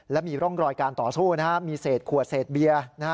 และมีร่องรอยการต่อสู้มีเศษขวดเศษเบียร์